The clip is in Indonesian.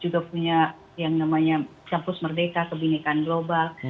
juga punya yang namanya kampus merdeka kebinekaan global